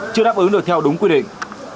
chưa đáp ứng được theo đúng quy định